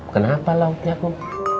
kenapa lauknya kom